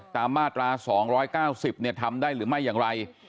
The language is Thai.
ตามมาตรา๒๙๐ทำได้หรือไม่อย่างไร